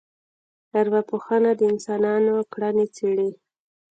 ارواپوهنه د انسانانو کړنې څېړي